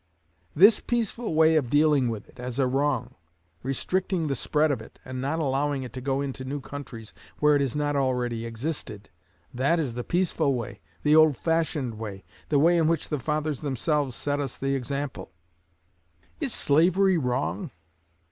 This peaceful way of dealing with it as a wrong restricting the spread of it, and not allowing it to go into new countries where it has not already existed that is the peaceful way, the old fashioned way, the way in which the fathers themselves set us the example. Is slavery wrong?